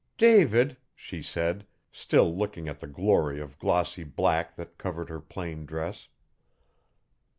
'David,' she said, still looking at the glory of glossy black that covered her plain dress.